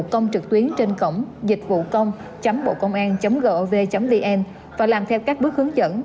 công trực tuyến trên cổng dịch vụ công chấm bộ công an chấm gov vn và làm theo các bước hướng dẫn